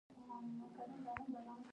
دا په بې پیلوټه الوتکو کې کارول کېږي.